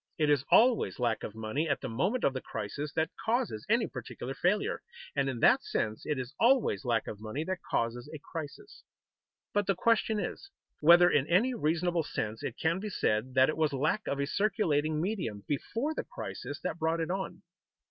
It is always lack of money at the moment of the crisis that causes any particular failure, and in that sense it is always lack of money that causes a crisis. But the question is, whether in any reasonable sense it can be said that it was lack of a circulating medium before the crisis that brought it on.